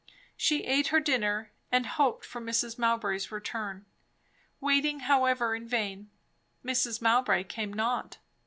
She eat her dinner, and hoped for Mrs. Mowbray's return. Waiting however in vain. Mrs. Mowbray came not.